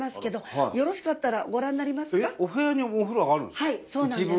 はいそうなんです。